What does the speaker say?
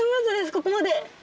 ここまで。